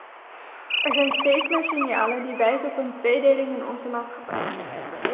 Er zijn steeds meer signalen die wijzen op een tweedeling in onze maatschappij.